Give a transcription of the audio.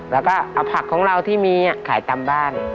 แล้วก็เอาผักของเราที่มีขายตามบ้าน